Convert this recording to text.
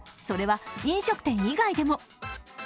それは飲食店以外でも。